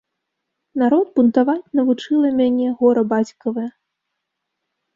Народ бунтаваць навучыла мяне гора бацькавае.